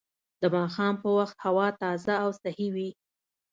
د ماښام په وخت هوا تازه او صحي وي